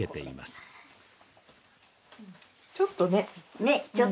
ねっ、ちょっとね。